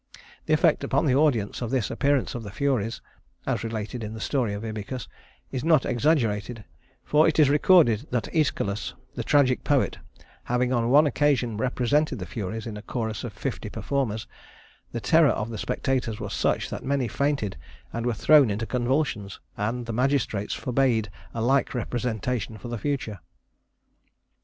The effect upon the audience of this appearance of the Furies (as related in the story of Ibycus) is not exaggerated, for it is recorded that Æschylus, the tragic poet, having on one occasion represented the Furies in a chorus of fifty performers, the terror of the spectators was such that many fainted and were thrown into convulsions, and the magistrates forbade a like representation for the future.